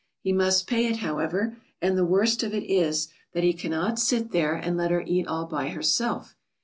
He must pay it, however, and the worst of it is that he cannot sit there and let her eat all by herself.